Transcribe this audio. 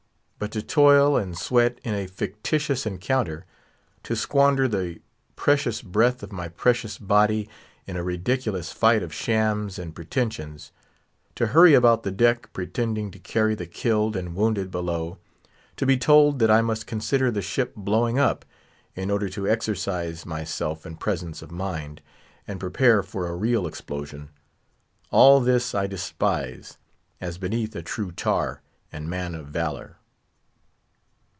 But to toil and sweat in a fictitious encounter; to squander the precious breath of my precious body in a ridiculous fight of shams and pretensions; to hurry about the decks, pretending to carry the killed and wounded below; to be told that I must consider the ship blowing up, in order to exercise myself in presence of mind, and prepare for a real explosion; all this I despise, as beneath a true tar and man of valour.